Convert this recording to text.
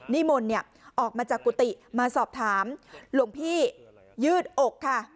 นิมนต์ออกมาจากกุฏิมาสอบถามหลวงพี่ยืดอกค่ะ